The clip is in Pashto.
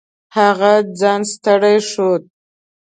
هغه ځان ستړی ښود.